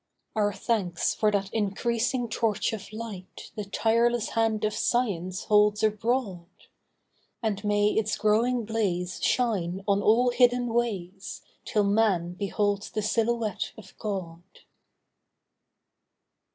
Our thanks for that increasing torch of light The tireless hand of science holds abroad. And may its growing blaze shine on all hidden ways Till man beholds the silhouette of God.